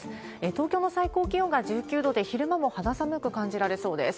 東京の最高気温が１９度で、昼間も肌寒く感じられそうです。